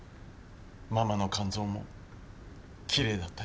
ママの肝臓もきれいだったよ。